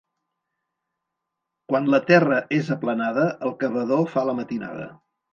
Quan la terra és aplanada, el cavador fa la matinada.